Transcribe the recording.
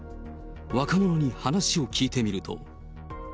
若者に話を聞いてみると。